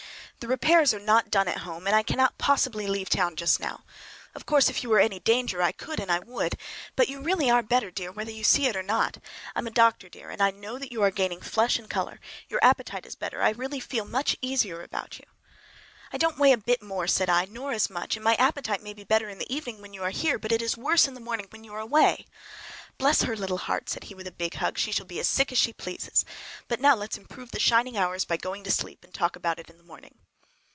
"The repairs are not done at home, and I cannot possibly leave town just now. Of course if you were in any danger I could and would, but you really are better, dear, whether you can see it or not. I am a doctor, dear, and I know. You are gaining flesh and color, your appetite is better. I feel really much easier about you." "I don't weigh a bit more," said I, "nor as much; and my appetite may be better in the evening, when you are here, but it is worse in the morning when you are away." "Bless her little heart!" said he with a big hug; "she shall be as sick as she pleases! But now let's improve the shining hours by going to sleep, and talk about it in the morning!"